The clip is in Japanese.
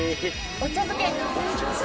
お茶漬け。